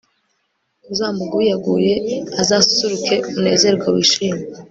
uzamuguyaguye, azasusuruke unezerwe wishime